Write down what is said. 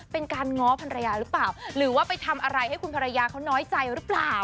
เป็นการง้อภรรยาหรือเปล่าหรือว่าไปทำอะไรให้คุณภรรยาเขาน้อยใจหรือเปล่า